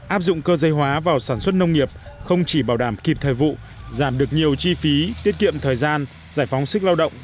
áp dụng cơ dây hóa vào sản xuất nông nghiệp không chỉ bảo đảm kịp thời vụ giảm được nhiều chi phí tiết kiệm thời gian giải phóng sức lao động